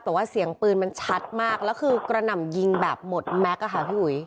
แต่ว่าเสียงปืนมันชัดมากแล้วคือกระหน่ำยิงแบบหมดแม็กซ์ค่ะพี่อุ๋ย